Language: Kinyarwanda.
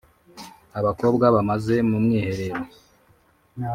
abakobwa bamaze mu mwiherero